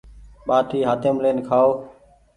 ٻآٽي هآتيم لين کآئو۔